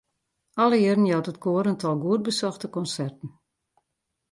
Alle jierren jout it koar in tal goed besochte konserten.